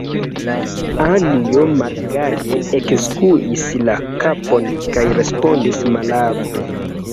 Anjo malgaje ekskuis la kapon kaj respondis mallaŭte: